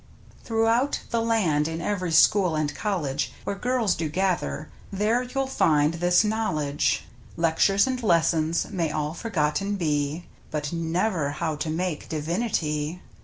Throughout the land in ev'ry school and college Where girls do gather, there you'll find this knowledge, Lectures and lessons may all forgotten be. But never how to make " Divinity."